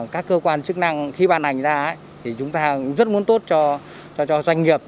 các cơ quan chức năng khi ban hành ra thì chúng ta rất muốn tốt cho doanh nghiệp